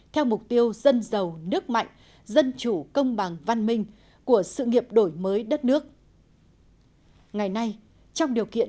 theo mục tiêu dân giàu nước mạnh dân chủ công bằng văn minh của sự nghiệp đổi nguyên